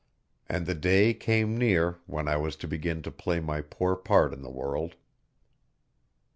And the day came near when I was to begin to play my poor part in the world.